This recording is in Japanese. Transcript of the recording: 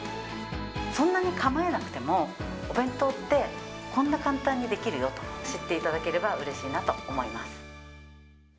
そんなに構えなくても、お弁当って、こんな簡単にできるよって知っていただければうれしいなと思いま